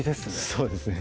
そうですね